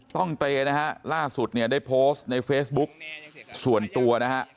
ต้องเตนะฮะล่าสุดเนี่ยได้โพสต์ในเฟซบุ๊กส่วนตัวนะฮะ